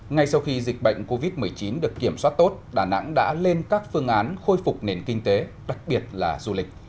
ngay sau khi dịch bệnh covid một mươi chín được kiểm soát tốt đà nẵng đã lên các phương án khôi phục nền kinh tế đặc biệt là du lịch